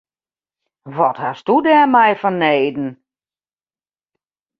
Wat hasto dêrmei fanneden?